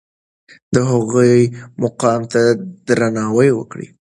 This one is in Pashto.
د هغوی مقام ته درناوی وکړئ.